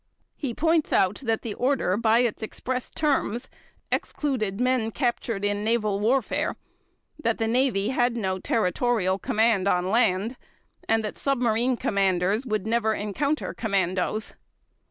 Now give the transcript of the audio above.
He points out that the order by its express terms excluded men captured in naval warfare, that the Navy had no territorial commands on land, and that submarine commanders would never encounter commandos.